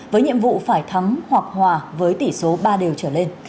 với nhiệm vụ phải thắm hoặc hòa với tỷ số ba đều trở lên